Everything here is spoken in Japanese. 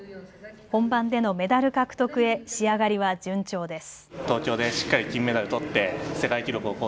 本番でのメダル獲得へ仕上がりは順調です。